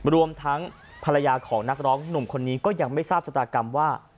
รวมทั้งภรรยาของนักร้องหนุ่มคนนี้ก็ยังไม่ทราบชะตากรรมว่า